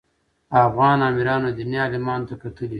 افغان امیرانو دیني عالمانو ته کتلي.